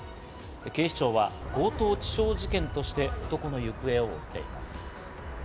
警視庁は強盗致傷事件として男の行方を追っています。